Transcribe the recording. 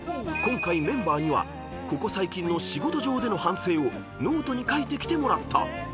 ［今回メンバーにはここ最近の仕事上での反省をノートに書いてきてもらった。